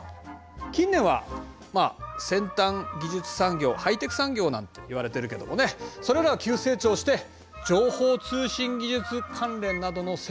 近年はまあ先端技術産業ハイテク産業なんていわれてるけどもねそれが急成長して情報通信技術関連などの製品の開発が進んでいる。